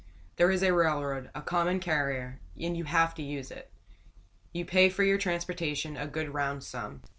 Here is a railroad a common carrier and you have to use it. You pay for your transportation, a good round sum.